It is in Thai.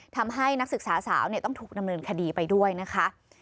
นักศึกษาสาวต้องถูกดำเนินคดีไปด้วยนะคะ